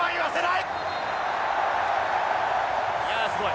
いやすごい。